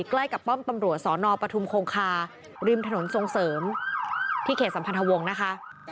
ใกล้กับป้อมตำรวจสอนอปทุมคงคาริมถนนทรงเสริมที่เขตสัมพันธวงศ์นะคะ